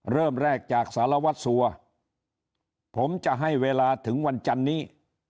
เริ่มแรกจากสารวัตรสัวผมจะให้เวลาถึงวันจันนี้